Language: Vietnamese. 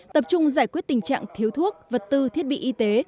tập trung giải quyết tình trạng thiếu thuốc vật tư thiết bị y tế